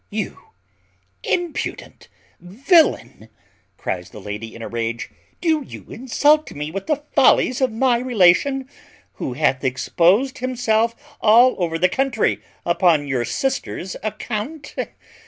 "You impudent villain!" cries the lady in a rage; "do you insult me with the follies of my relation, who hath exposed himself all over the country upon your sister's account?